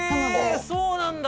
そうなんだ！